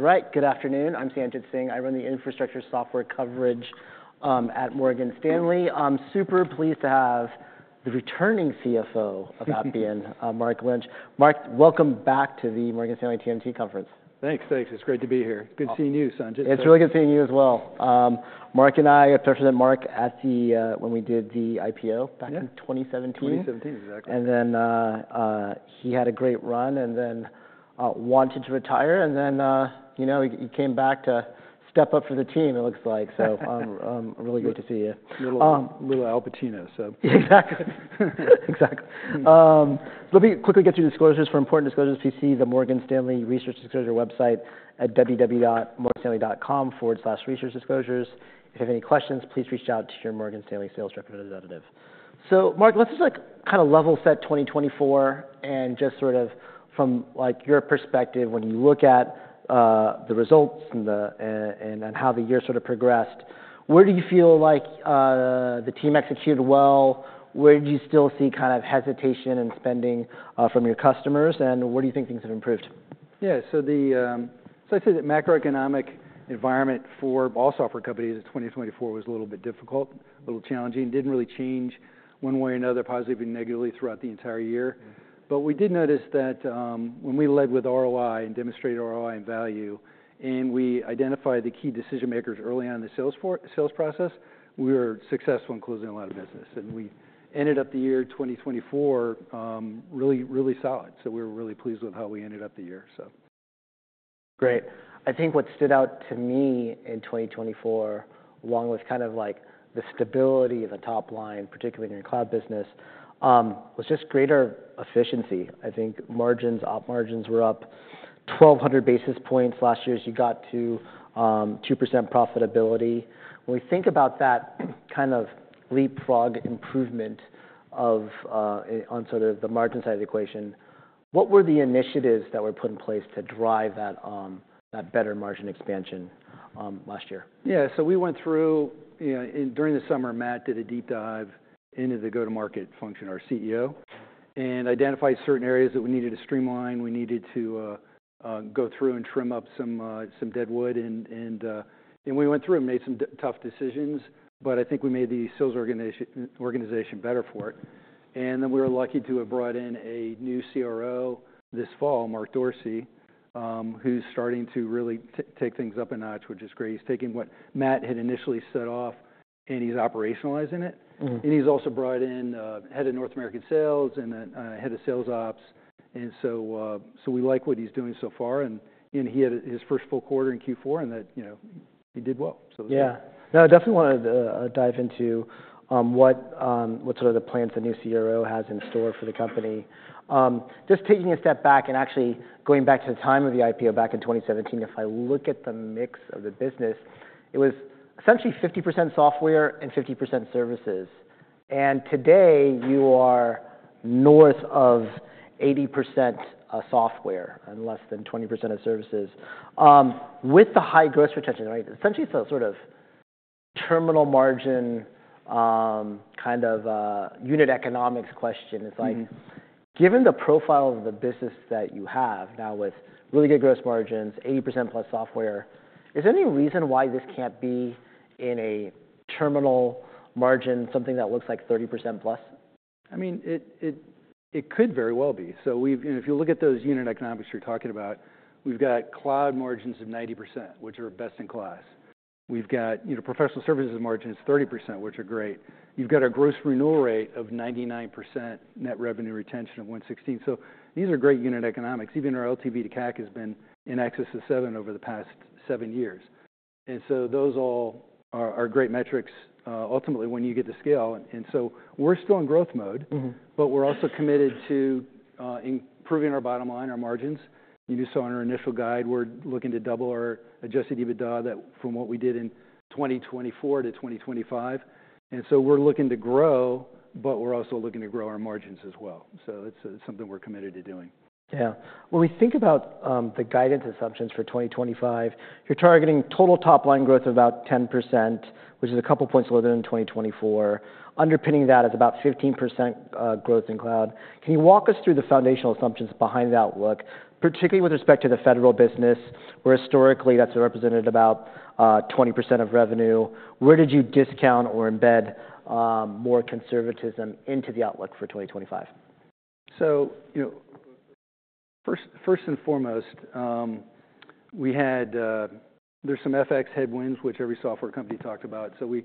All right, good afternoon. I'm Sanjit Singh. I run the infrastructure software coverage at Morgan Stanley. I'm super pleased to have the returning CFO of Appian, Mark Lynch. Mark, welcome back to the Morgan Stanley TMT Conference. Thanks, thanks. It's great to be here. It's good seeing you, Sanjit. It's really good seeing you as well. Mark and I got to know Mark when we did the IPO back in 2017. 2017, exactly. And then he had a great run and then wanted to retire. And then he came back to step up for the team, it looks like. So really good to see you. Little Al Pacino, so. Exactly. Exactly. Let me quickly get you to disclosures. For important disclosures, please see the Morgan Stanley Research Disclosure website at www.morganstanley.com/researchdisclosures. If you have any questions, please reach out to your Morgan Stanley sales representative. Mark, let's just kind of level set 2024 and just sort of from your perspective, when you look at the results and how the year sort of progressed, where do you feel like the team executed well? Where do you still see kind of hesitation in spending from your customers? And where do you think things have improved? Yeah, so I'd say the macroeconomic environment for all software companies in 2024 was a little bit difficult, a little challenging. It didn't really change one way or another, positively or negatively, throughout the entire year, but we did notice that when we led with ROI and demonstrated ROI and value, and we identified the key decision makers early on in the sales process, we were successful in closing a lot of business, and we ended up the year 2024 really solid, so we were really pleased with how we ended up the year. Great. I think what stood out to me in 2024, along with kind of the stability of the top line, particularly in your cloud business, was just greater efficiency. I think margins were up 1,200 basis points last year as you got to 2% profitability. When we think about that kind of leapfrog improvement on sort of the margin side of the equation, what were the initiatives that were put in place to drive that better margin expansion last year? Yeah, so we went through during the summer. Matt, our CEO, did a deep dive into the go-to-market function and identified certain areas that we needed to streamline. We needed to go through and trim up some dead wood. And we went through and made some tough decisions. But I think we made the sales organization better for it. And then we were lucky to have brought in a new CRO this fall, Mark Dorsey, who's starting to really take things up a notch, which is great. He's taking what Matt had initially set off, and he's operationalizing it. And he's also brought in head of North American Sales and head of Sales Ops. And so we like what he's doing so far. And he had his first full quarter in Q4, and he did well. Yeah. No, I definitely want to dive into what sort of the plans the new CRO has in store for the company. Just taking a step back and actually going back to the time of the IPO back in 2017, if I look at the mix of the business, it was essentially 50% software and 50% services. And today, you are north of 80% software and less than 20% of services. With the high gross retention, essentially it's a sort of terminal margin kind of unit economics question. It's like, given the profile of the business that you have now with really good gross margins, 80%+ software, is there any reason why this can't be in a terminal margin, something that looks like 30%+? I mean, it could very well be. So if you look at those unit economics you're talking about, we've got cloud margins of 90%, which are best in class. We've got professional services margins 30%, which are great. You've got a gross renewal rate of 99%, net revenue retention of 116%. So these are great unit economics. Even our LTV to CAC has been in excess of 7 over the past seven years. And so those all are great metrics ultimately when you get to scale. And so we're still in growth mode, but we're also committed to improving our bottom line, our margins. You saw in our initial guide, we're looking to double our adjusted EBITDA from what we did in 2024 to 2025. And so we're looking to grow, but we're also looking to grow our margins as well. So it's something we're committed to doing. Yeah. When we think about the guidance assumptions for 2025, you're targeting total top line growth of about 10%, which is a couple of points lower than in 2024. Underpinning that is about 15% growth in cloud. Can you walk us through the foundational assumptions behind that look, particularly with respect to the federal business, where historically that's represented about 20% of revenue? Where did you discount or embed more conservatism into the outlook for 2025? First and foremost, there's some FX headwinds, which every software company talked about. We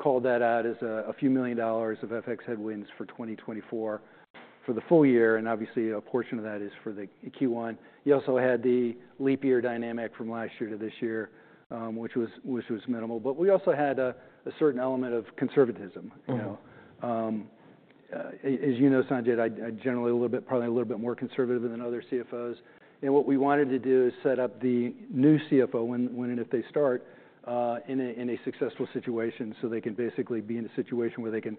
called that out as a few million dollars of FX headwinds for 2024 for the full year. Obviously, a portion of that is for the Q1. You also had the leap year dynamic from last year to this year, which was minimal. We also had a certain element of conservatism. As you know, Sanjit, I'm generally a little bit, probably a little bit more conservative than other CFOs. What we wanted to do is set up the new CFO, when and if they start, in a successful situation so they can basically be in a situation where they can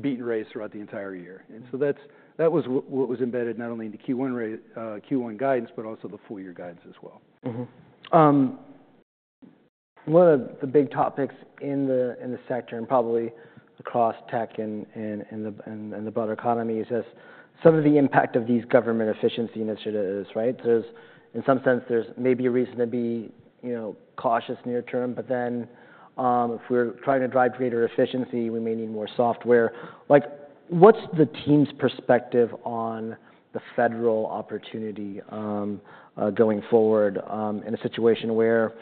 beat and raise throughout the entire year. That was what was embedded not only in the Q1 guidance, but also the full year guidance as well. One of the big topics in the sector and probably across tech and the broader economy is just some of the impact of these government efficiency initiatives. In some sense, there's maybe a reason to be cautious near term. But then if we're trying to drive greater efficiency, we may need more software. What's the team's perspective on the federal opportunity going forward in a situation where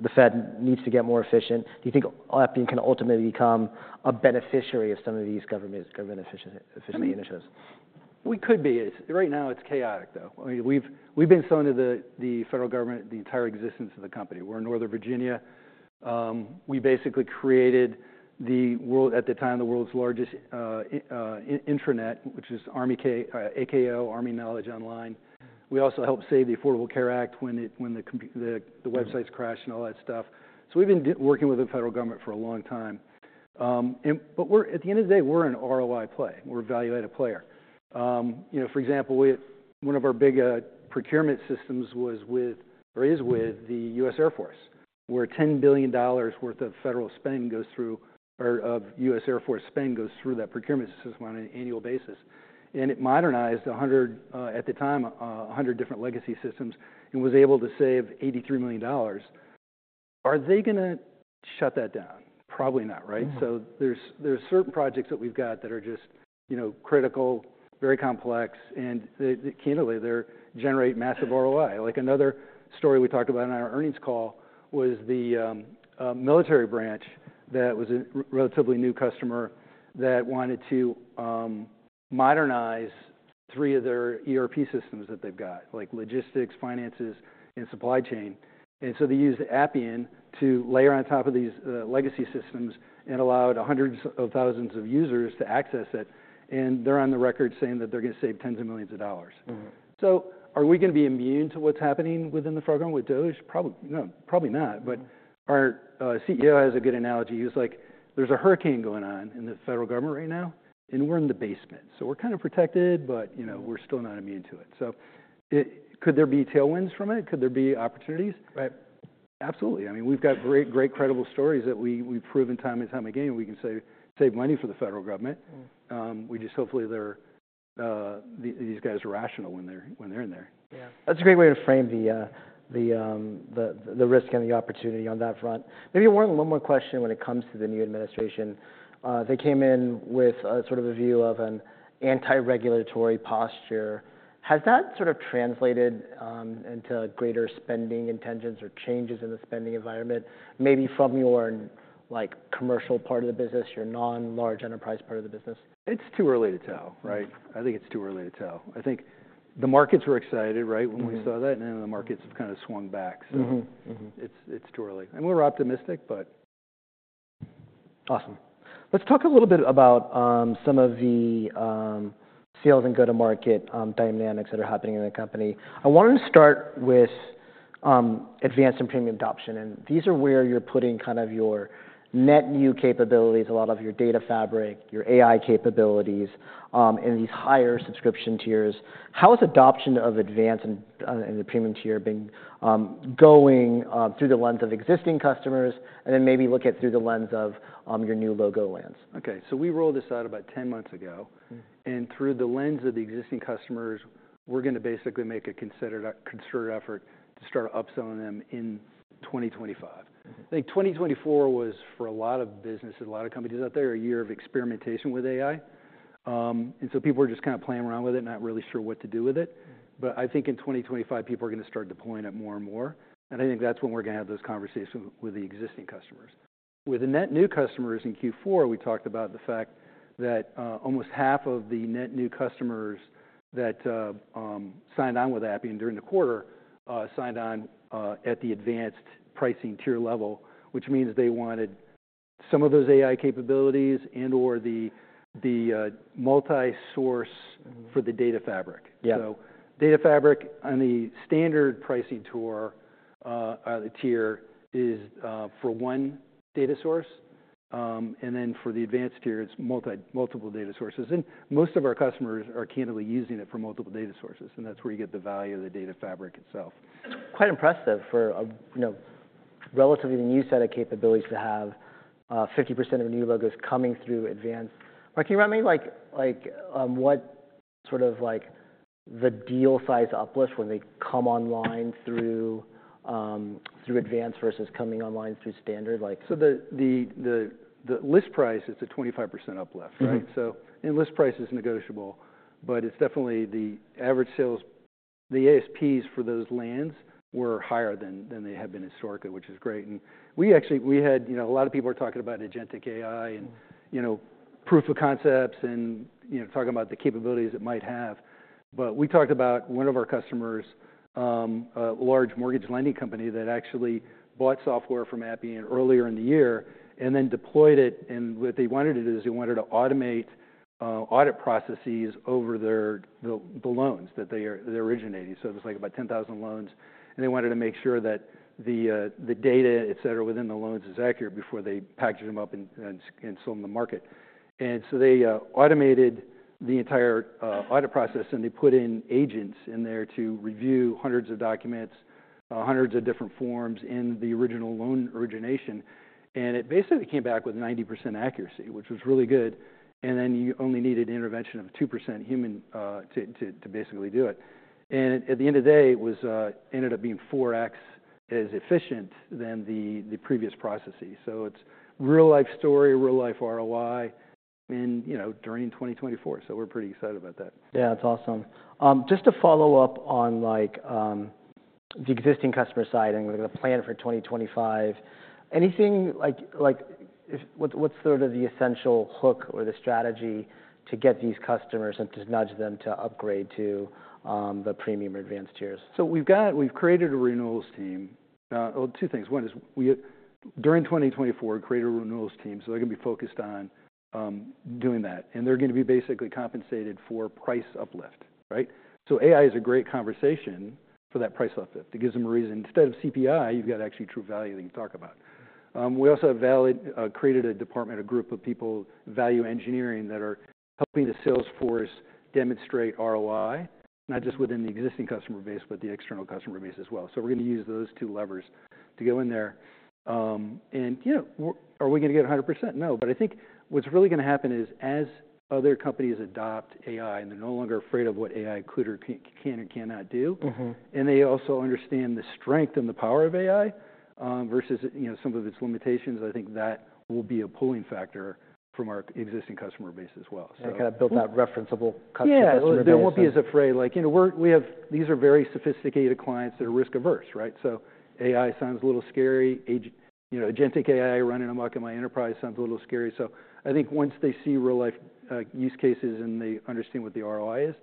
the Fed needs to get more efficient? Do you think Appian can ultimately become a beneficiary of some of these government efficiency initiatives? We could be. Right now, it's chaotic, though. We've been selling to the federal government the entire existence of the company. We're in Northern Virginia. We basically created, at the time, the world's largest intranet, which is AKO, Army Knowledge Online. We also helped save the Affordable Care Act when the websites crashed and all that stuff. So we've been working with the federal government for a long time. But at the end of the day, we're an ROI play. We're a value-added player. For example, one of our big procurement systems was with, or is with, the U.S. Air Force, where $10 billion worth of federal spending goes through, or of U.S. Air Force spending goes through that procurement system on an annual basis. And it modernized at the time 100 different legacy systems and was able to save $83 million. Are they going to shut that down? Probably not, right? So there are certain projects that we've got that are just critical, very complex, and candidly, they generate massive ROI. Like another story we talked about in our earnings call was the military branch that was a relatively new customer that wanted to modernize three of their ERP systems that they've got, like logistics, finances, and supply chain, and so they used Appian to layer on top of these legacy systems and allowed hundreds of thousands of users to access it, and they're on the record saying that they're going to save tens of millions of dollars, so are we going to be immune to what's happening within the program with DOGE? Probably not, but our CEO has a good analogy. He was like, there's a hurricane going on in the federal government right now, and we're in the basement. So we're kind of protected, but we're still not immune to it. So could there be tailwinds from it? Could there be opportunities? Absolutely. I mean, we've got great, great credible stories that we've proven time and time again. We can save money for the federal government. We just hopefully these guys are rational when they're in there. Yeah. That's a great way to frame the risk and the opportunity on that front. Maybe one more question when it comes to the new administration. They came in with sort of a view of an anti-regulatory posture. Has that sort of translated into greater spending intentions or changes in the spending environment, maybe from your commercial part of the business, your non-large enterprise part of the business? It's too early to tell, right? I think it's too early to tell. I think the markets were excited when we saw that, and then the markets have kind of swung back. So it's too early. And we're optimistic, but. Awesome. Let's talk a little bit about some of the sales and go-to-market dynamics that are happening in the company. I wanted to start with Advanced and Premium adoption. And these are where you're putting kind of your net new capabilities, a lot of your Data Fabric, your AI capabilities in these higher subscription tiers. How is adoption of Advanced and the Premium tier going through the lens of existing customers? And then maybe look at through the lens of your new logo lands. Okay, so we rolled this out about 10 months ago, and through the lens of the existing customers, we're going to basically make a concerted effort to start upselling them in 2025. I think 2024 was, for a lot of businesses, a lot of companies out there, a year of experimentation with AI, and so people were just kind of playing around with it, not really sure what to do with it, but I think in 2025, people are going to start deploying it more and more, and I think that's when we're going to have those conversations with the existing customers. With the net new customers in Q4, we talked about the fact that almost half of the net new customers that signed on with Appian during the quarter signed on at the Advanced pricing tier level, which means they wanted some of those AI capabilities and/or the multi-source for the Data Fabric. So Data Fabric on the standard pricing tier is for one data source. And then for the advanced tier, it's multiple data sources. And most of our customers are candidly using it for multiple data sources. And that's where you get the value of the Data Fabric itself. That's quite impressive for a relatively new set of capabilities to have 50% of new logos coming through advanced. Can you remind me what sort of the deal size uplift when they come online through advanced versus coming online through standard? So the list price is a 25% uplift, right? List price is negotiable, but it's definitely the average sales. The ASPs for those deals were higher than they had been historically, which is great. And we actually had a lot of people were talking about agentic AI and proof of concepts and talking about the capabilities it might have. But we talked about one of our customers, a large mortgage lending company that actually bought software from Appian earlier in the year and then deployed it. And what they wanted to do is they wanted to automate audit processes over the loans that they originated. So it was like about 10,000 loans. And they wanted to make sure that the data, et cetera, within the loans is accurate before they packaged them up and sold them to the market. And so they automated the entire audit process, and they put in agents in there to review hundreds of documents, hundreds of different forms in the original loan origination. And it basically came back with 90% accuracy, which was really good. And then you only needed intervention of 2% human to basically do it. And at the end of the day, it ended up being 4x as efficient than the previous processes. So it's real-life story, real-life ROI during 2024. So we're pretty excited about that. Yeah, that's awesome. Just to follow up on the existing customer side and the plan for 2025, what's sort of the essential hook or the strategy to get these customers and to nudge them to upgrade to the premium or advanced tiers? We've created a renewals team. Well, two things. One is during 2024, create a renewals team so they're going to be focused on doing that. And they're going to be basically compensated for price uplift. So AI is a great conversation for that price uplift. It gives them a reason. Instead of CPI, you've got actually true value they can talk about. We also created a department, a group of people, Value Engineering that are helping the sales force demonstrate ROI, not just within the existing customer base, but the external customer base as well. So we're going to use those two levers to go in there. And are we going to get 100%? No. But I think what's really going to happen is, as other companies adopt AI and they're no longer afraid of what AI can or cannot do, and they also understand the strength and the power of AI versus some of its limitations, I think that will be a pulling factor from our existing customer base as well. Kind of build that referenceable customer base. Yeah, they won't be as afraid. These are very sophisticated clients that are risk averse. So AI sounds a little scary. agentic AI running amok in my enterprise sounds a little scary. So I think once they see real-life use cases and they understand what the ROI is,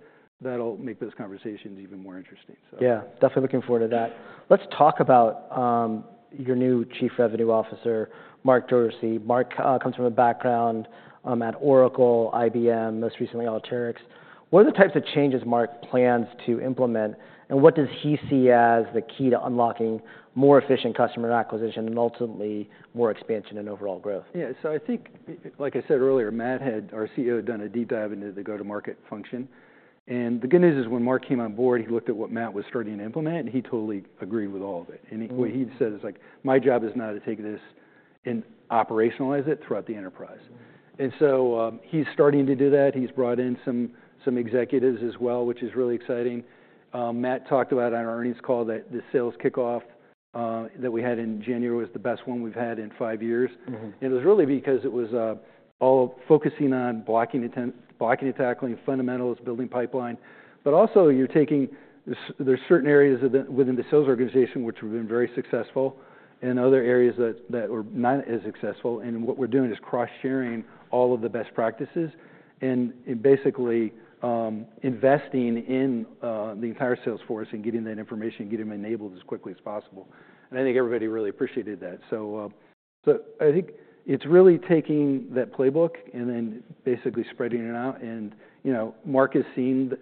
that'll make those conversations even more interesting. Yeah, definitely looking forward to that. Let's talk about your new Chief Revenue Officer, Mark Dorsey. Mark comes from a background at Oracle, IBM, most recently Alteryx. What are the types of changes Mark plans to implement, and what does he see as the key to unlocking more efficient customer acquisition and ultimately more expansion and overall growth? Yeah. So I think, like I said earlier, Matt, our CEO, had done a deep dive into the go-to-market function. And the good news is when Mark came on board, he looked at what Matt was starting to implement, and he totally agreed with all of it. And what he said is like, my job is now to take this and operationalize it throughout the enterprise. And so he's starting to do that. He's brought in some executives as well, which is really exciting. Matt talked about, on our earnings call, that the Sales Kickoff that we had in January was the best one we've had in five years. And it was really because it was all focusing on blocking and tackling fundamentals, building pipeline. But also you're taking, there's certain areas within the sales organization which have been very successful and other areas that were not as successful. What we're doing is cross-sharing all of the best practices and basically investing in the entire sales force and getting that information and getting them enabled as quickly as possible. I think everybody really appreciated that. I think it's really taking that playbook and then basically spreading it out. Mark has seen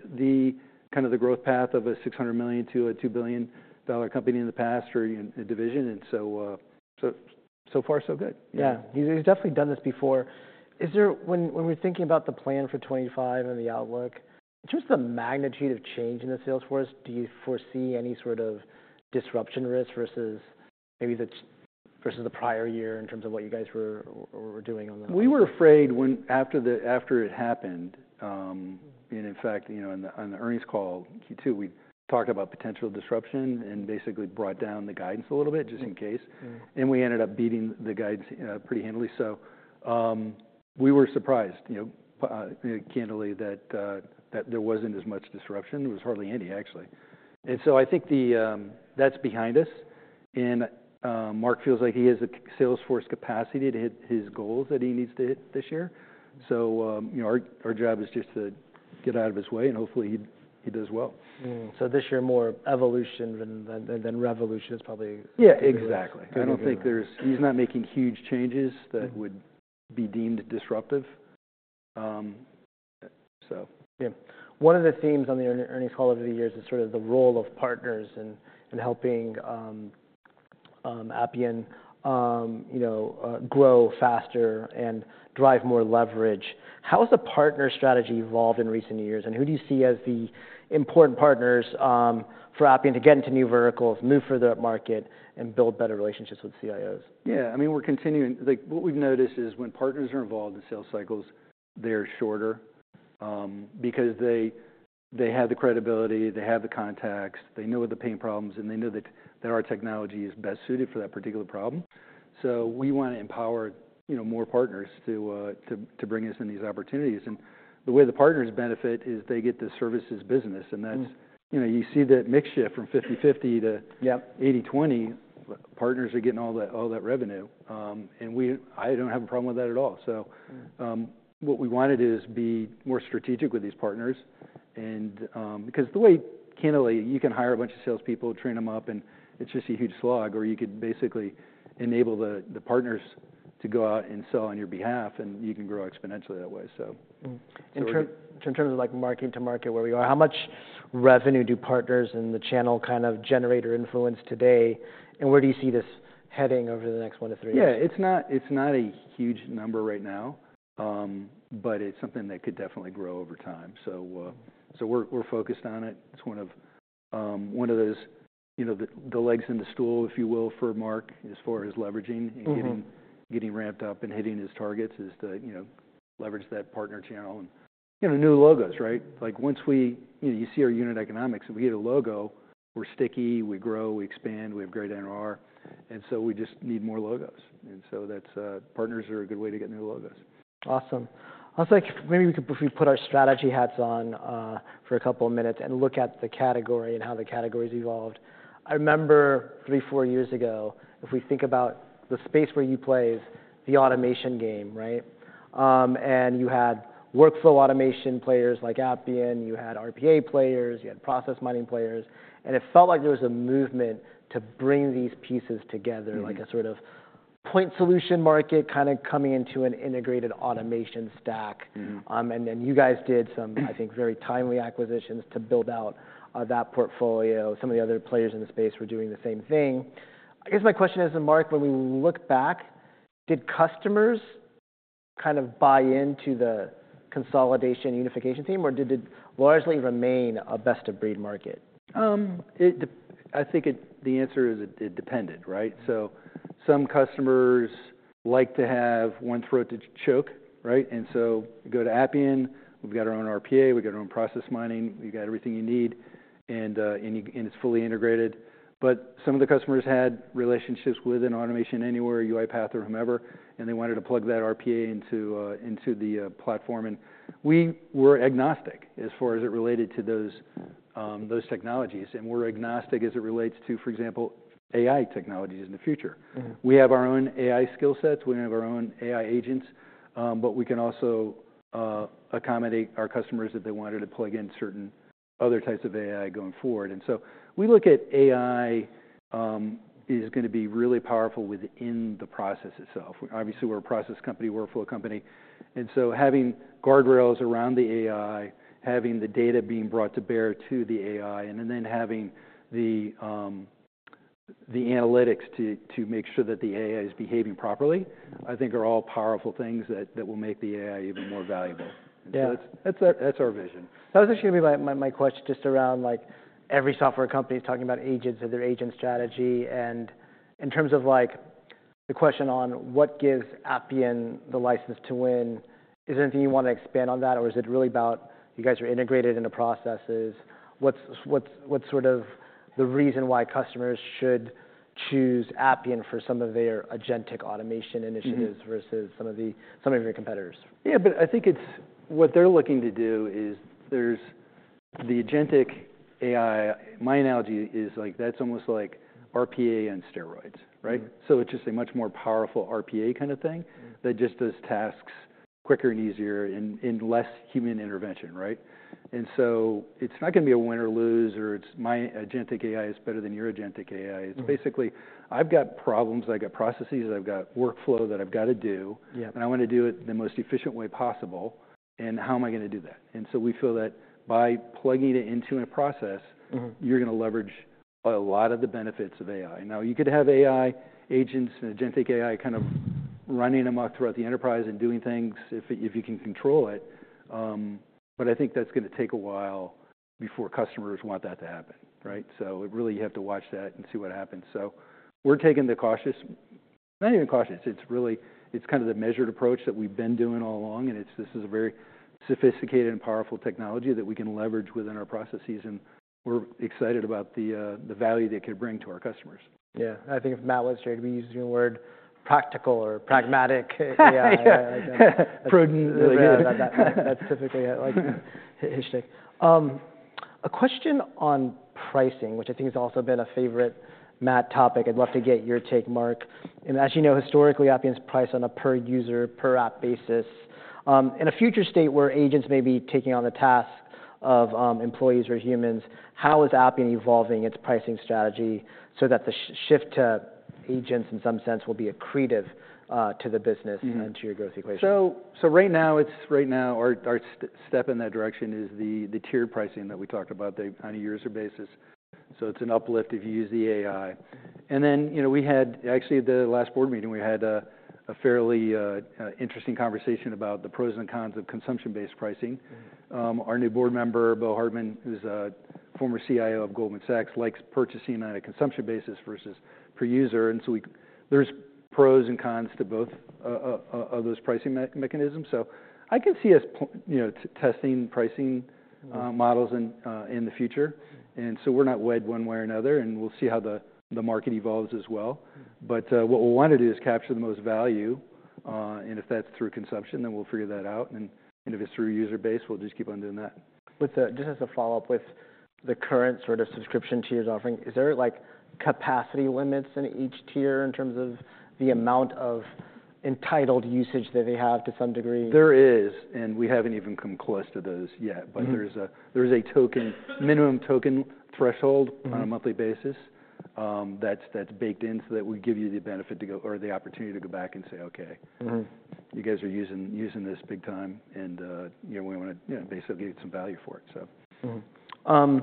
kind of the growth path of a $600 million-$2 billion company in the past or a division. So far, so good. Yeah. He's definitely done this before. When we're thinking about the plan for 2025 and the outlook, in terms of the magnitude of change in the sales force, do you foresee any sort of disruption risk versus the prior year in terms of what you guys were doing on that? We were afraid after it happened. And in fact, on the earnings call Q2, we talked about potential disruption and basically brought down the guidance a little bit just in case. And we ended up beating the guidance pretty handily. So we were surprised, candidly, that there wasn't as much disruption. There was hardly any, actually. And so I think that's behind us. And Mark feels like he has the sales force capacity to hit his goals that he needs to hit this year. So our job is just to get out of his way, and hopefully he does well. This year, more evolution than revolution is probably. Yeah, exactly. I don't think there's, he's not making huge changes that would be deemed disruptive. Yeah. One of the themes on the earnings call over the years is sort of the role of partners in helping Appian grow faster and drive more leverage. How has the partner strategy evolved in recent years? And who do you see as the important partners for Appian to get into new verticals, move further up market, and build better relationships with CIOs? Yeah. I mean, we're continuing. What we've noticed is when partners are involved in sales cycles, they're shorter because they have the credibility, they have the contacts, they know what the pain problems are, and they know that our technology is best suited for that particular problem. So we want to empower more partners to bring us in these opportunities. And the way the partners benefit is they get the services business. And you see that mixture from 50/50 to 80/20, partners are getting all that revenue. And I don't have a problem with that at all. So what we wanted is to be more strategic with these partners. Because the way, candidly, you can hire a bunch of salespeople, train them up, and it's just a huge slog, or you could basically enable the partners to go out and sell on your behalf, and you can grow exponentially that way. In terms of market to market, where we are, how much revenue do partners in the channel kind of generate or influence today, and where do you see this heading over the next one to three years? Yeah. It's not a huge number right now, but it's something that could definitely grow over time. So we're focused on it. It's one of those legs in the stool, if you will, for Mark as far as leveraging and getting ramped up and hitting his targets is to leverage that partner channel and new logos, right? Once you see our unit economics and we get a logo, we're sticky, we grow, we expand, we have great NRR. And so we just need more logos. And so partners are a good way to get new logos. Awesome. I was like, maybe we could put our strategy hats on for a couple of minutes and look at the category and how the categories evolved. I remember three, four years ago, if we think about the space where you play is the automation game, right? And you had workflow automation players like Appian, you had RPA players, you had process mining players. And it felt like there was a movement to bring these pieces together, like a sort of point solution market kind of coming into an integrated automation stack. And then you guys did some, I think, very timely acquisitions to build out that portfolio. Some of the other players in the space were doing the same thing. I guess my question is, Mark, when we look back, did customers kind of buy into the consolidation unification team, or did it largely remain a best of breed market? I think the answer is it depended, right? So some customers like to have one throat to choke, right? And so go to Appian, we've got our own RPA, we've got our own process mining, we've got everything you need, and it's fully integrated. But some of the customers had relationships within Automation Anywhere, UiPath, or whomever, and they wanted to plug that RPA into the platform. And we were agnostic as far as it related to those technologies. And we're agnostic as it relates to, for example, AI technologies in the future. We have our own AI skill sets, we have our own AI agents, but we can also accommodate our customers if they wanted to plug in certain other types of AI going forward. And so we look at AI is going to be really powerful within the process itself. Obviously, we're a process company, workflow company. And so having guardrails around the AI, having the data being brought to bear to the AI, and then having the analytics to make sure that the AI is behaving properly, I think are all powerful things that will make the AI even more valuable. That's our vision. That was actually going to be my question just around every software company is talking about agents and their agent strategy. And in terms of the question on what gives Appian the license to win, is there anything you want to expand on that, or is it really about you guys are integrated into processes? What's sort of the reason why customers should choose Appian for some of their agentic automation initiatives versus some of your competitors? Yeah, but I think what they're looking to do is there's the agentic AI, my analogy is like that's almost like RPA on steroids, right? So it's just a much more powerful RPA kind of thing that just does tasks quicker and easier and less human intervention, right? And so it's not going to be a win or lose, or it's my agentic AI is better than your agentic AI. It's basically I've got problems, I've got processes, I've got workflow that I've got to do, and I want to do it the most efficient way possible. And how am I going to do that? And so we feel that by plugging it into a process, you're going to leverage a lot of the benefits of AI. Now, you could have AI agents and agentic AI kind of running amok throughout the enterprise and doing things if you can control it. But I think that's going to take a while before customers want that to happen, right? So really you have to watch that and see what happens. So we're taking the cautious, not even cautious, it's really kind of the measured approach that we've been doing all along. And this is a very sophisticated and powerful technology that we can leverage within our processes. And we're excited about the value that it could bring to our customers. Yeah. I think if Matt was here, he'd be using the word practical or pragmatic. Prudent. That's typically a sticking point. A question on pricing, which I think has also been a favorite Matt topic. I'd love to get your take, Mark. And as you know, historically, Appian's priced on a per user, per app basis. In a future state where agents may be taking on the task of employees or humans, how is Appian evolving its pricing strategy so that the shift to agents in some sense will be accretive to the business and to your growth equation? So right now, our step in that direction is the tiered pricing that we talked about, the 90% basis. So it's an uplift if you use the AI. And then we had actually at the last board meeting, we had a fairly interesting conversation about the pros and cons of consumption-based pricing. Our new board member, Bo Hartman, who's a former CIO of Goldman Sachs, likes purchasing on a consumption basis versus per user. And so there's pros and cons to both of those pricing mechanisms. So I can see us testing pricing models in the future. And so we're not wed one way or another, and we'll see how the market evolves as well. But what we want to do is capture the most value. And if that's through consumption, then we'll figure that out. And if it's through user base, we'll just keep on doing that. Just as a follow-up with the current sort of subscription tiers offering, is there capacity limits in each tier in terms of the amount of entitled usage that they have to some degree? There is. And we haven't even come close to those yet. But there's a token, minimum token threshold on a monthly basis that's baked in so that we give you the benefit or the opportunity to go back and say, "Okay, you guys are using this big time, and we want to basically get some value for it.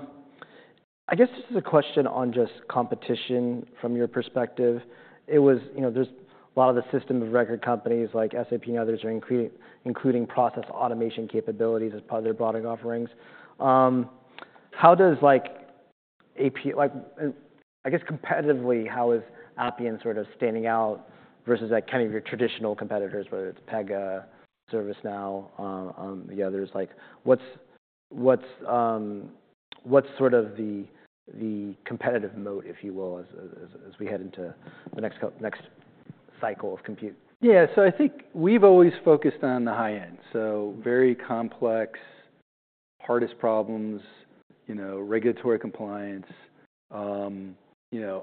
I guess just as a question on just competition from your perspective, there's a lot of the system of record companies like SAP and others are including process automation capabilities as part of their broader offerings. How does, I guess, competitively, how is Appian sort of standing out versus kind of your traditional competitors, whether it's Pega, ServiceNow, the others? What's sort of the competitive moat, if you will, as we head into the next cycle of compute? Yeah. So I think we've always focused on the high end. So very complex, hardest problems, regulatory compliance, onboarding,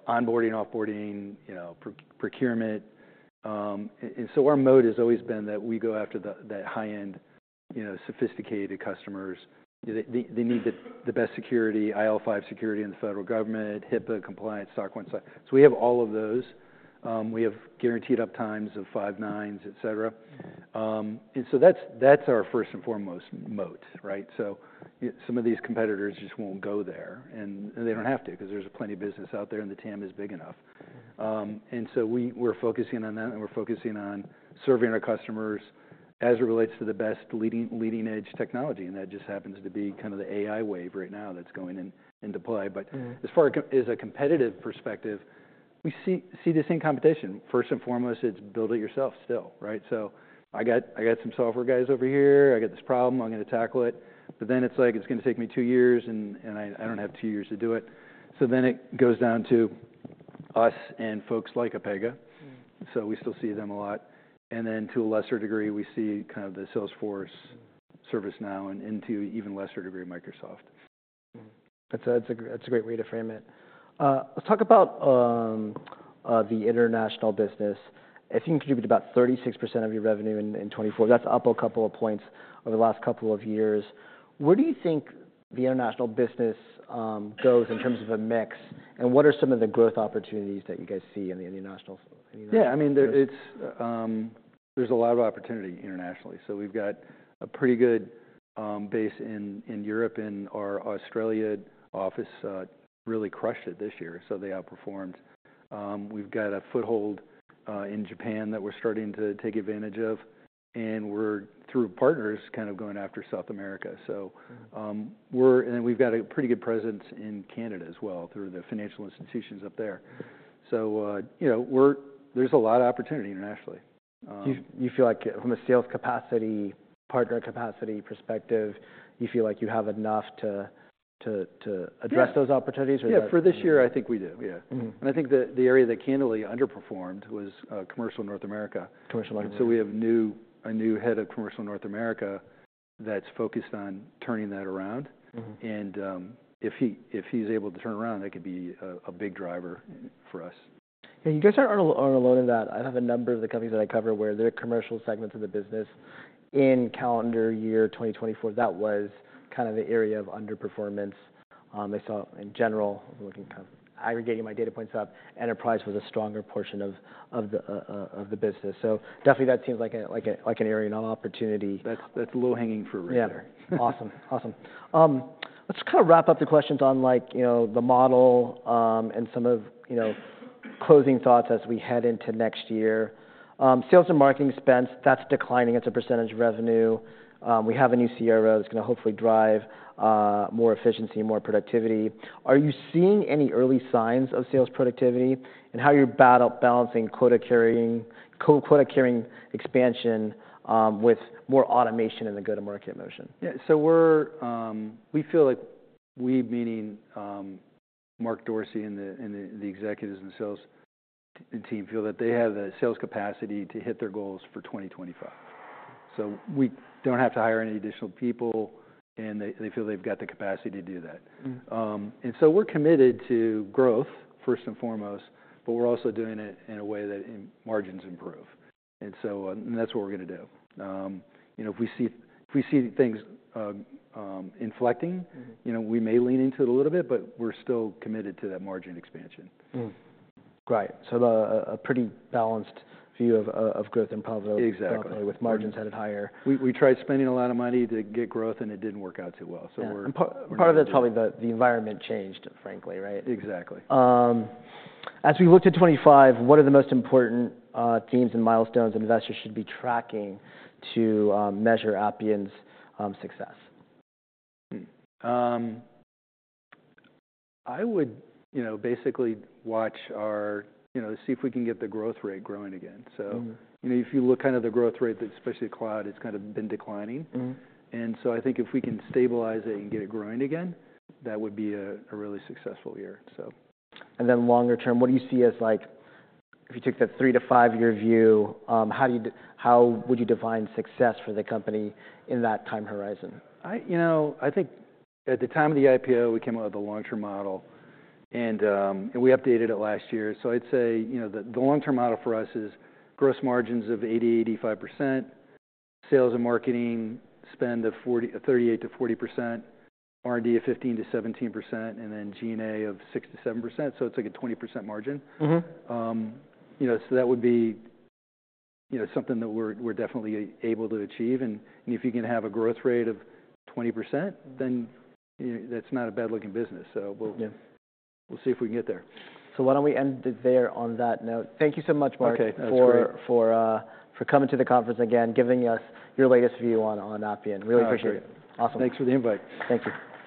offboarding, procurement. And so our moat has always been that we go after that high-end, sophisticated customers. They need the best security, IL5 security in the federal government, HIPAA compliance, SOC 1. So we have all of those. We have guaranteed uptimes of five nines, etc. And so that's our first and foremost moat, right? So some of these competitors just won't go there. And they don't have to because there's plenty of business out there and the TAM is big enough. And so we're focusing on that and we're focusing on serving our customers as it relates to the best leading-edge technology. And that just happens to be kind of the AI wave right now that's going into play. But as far as a competitive perspective, we see the same competition. First and foremost, it's build it yourself still, right? So I got some software guys over here, I got this problem, I'm going to tackle it. But then it's like, it's going to take me two years and I don't have two years to do it. So then it goes down to us and folks like Pega. So we still see them a lot. And then to a lesser degree, we see kind of the Salesforce, ServiceNow, and to even lesser degree, Microsoft. That's a great way to frame it. Let's talk about the international business. I think you contributed about 36% of your revenue in 2024. That's up a couple of points over the last couple of years. Where do you think the international business goes in terms of a mix? And what are some of the growth opportunities that you guys see in the international? Yeah. I mean, there's a lot of opportunity internationally. So we've got a pretty good base in Europe. And our Australia office really crushed it this year. So they outperformed. We've got a foothold in Japan that we're starting to take advantage of. And we're, through partners, kind of going after South America. And we've got a pretty good presence in Canada as well through the financial institutions up there. So there's a lot of opportunity internationally. You feel like from a sales capacity, partner capacity perspective, you feel like you have enough to address those opportunities? Yeah. For this year, I think we do, yeah. And I think the area that Canada underperformed was Commercial North America. And so we have a new head of Commercial North America that's focused on turning that around. And if he's able to turn around, that could be a big driver for us. Yeah. You guys aren't alone in that. I have a number of the companies that I cover where their commercial segments of the business in calendar year 2024, that was kind of the area of underperformance. I saw in general. I'm looking kind of aggregating my data points up. Enterprise was a stronger portion of the business. So definitely that seems like an area of opportunity. That's low hanging fruit right there. Yeah. Awesome. Awesome. Let's just kind of wrap up the questions on the model and some of closing thoughts as we head into next year. Sales and marketing expense, that's declining as a percentage of revenue. We have a new CRO that's going to hopefully drive more efficiency, more productivity. Are you seeing any early signs of sales productivity and how you're balancing quota carrying expansion with more automation and the go-to-market motion? Yeah. So we feel like we, meaning Mark Dorsey and the executives and the sales team, feel that they have the sales capacity to hit their goals for 2025. So we don't have to hire any additional people, and they feel they've got the capacity to do that. And so we're committed to growth first and foremost, but we're also doing it in a way that margins improve. And that's what we're going to do. If we see things inflecting, we may lean into it a little bit, but we're still committed to that margin expansion. Right, so a pretty balanced view of growth and profitability with margins headed higher. Exactly. We tried spending a lot of money to get growth, and it didn't work out too well. So we're. Part of it's probably the environment changed, frankly, right? Exactly. As we look to 2025, what are the most important themes and milestones investors should be tracking to measure Appian's success? I would basically watch to see if we can get the growth rate growing again. So if you look kind of the growth rate, especially cloud, it's kind of been declining. And so I think if we can stabilize it and get it growing again, that would be a really successful year, so. Longer term, what do you see as if you took that three to five-year view, how would you define success for the company in that time horizon? You know, I think at the time of the IPO, we came up with a long-term model, and we updated it last year. So I'd say the long-term model for us is gross margins of 80%-85%, sales and marketing spend of 38%-40%, R&D of 15%-17%, and then G&A of 6%-7%. So it's like a 20% margin. So that would be something that we're definitely able to achieve. And if you can have a growth rate of 20%, then that's not a bad-looking business. So we'll see if we can get there. So why don't we end it there on that note? Thank you so much, Mark, for coming to the conference again, giving us your latest view on Appian. Really appreciate it. Thanks for the invite. Thank you.